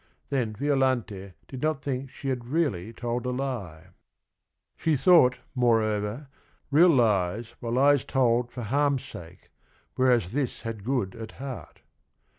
Then Violante did not think she had really told a lie. POMPILIA 125 " She thought, moreover, real lies were lies told For harm's sake ; whereas this had good at heart."